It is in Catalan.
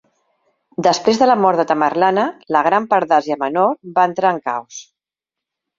Després de la mort de Tamerlane, la gran part d'Àsia Menor va entrar en caos.